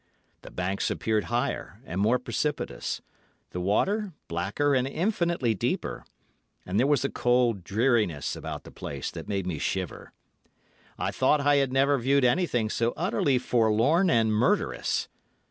The banks appeared higher and more precipitous, the water blacker and infinitely deeper, and there was a cold dreariness about the place that made me shiver. I thought I had never viewed anything so utterly forlorn and murderous.